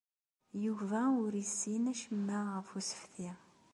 Yuba ur yessin acemma ɣef ussefti.